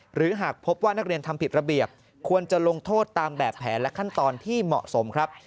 หากพบว่านักเรียนทำผิดระเบียบควรจะลงโทษตามแบบแผนและขั้นตอนที่เหมาะสมครับ